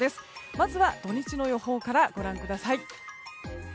まずは土日の予報からご覧ください。